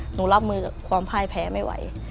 หนูรับมือกับความพ่ายแพ้ไม่ไหว